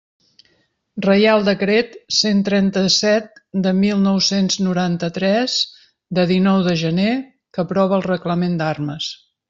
Reial Decret cent trenta-set de mil nou-cents noranta-tres, de dinou de gener, que aprova el Reglament d'Armes.